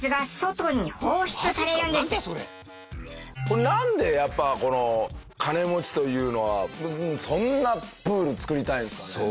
これなんでやっぱ金持ちというのはそんなプール作りたいんですかね？